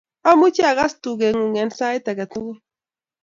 Amuchi akas tugengung eng sait age tugul